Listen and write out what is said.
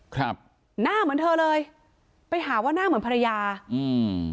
ครับหน้าเหมือนเธอเลยไปหาว่าหน้าเหมือนภรรยาอืม